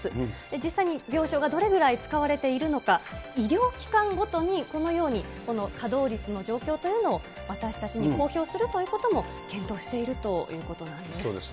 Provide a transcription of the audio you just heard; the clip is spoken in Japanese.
実際に病床がどれぐらい使われているのか、医療機関ごとにこのようにこの稼働率の状況というのを、私たちに公表するということも検討しているということなんです。